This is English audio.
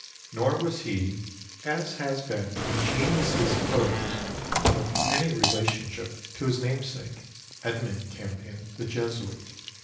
Nor was he, as has been ingeniously supposed, of any relationship to his namesake Edmund Campion, the Jesuit.